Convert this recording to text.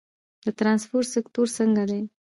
د ترانسپورت سکتور څنګه دی؟